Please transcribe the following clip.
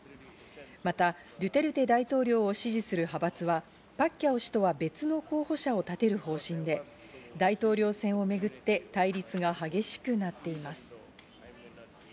またドゥテルテ大統領を支持する派閥はパッキャオ氏とは別の候補者を立てる方針で、大統領選をめぐって対立が激しくなっています。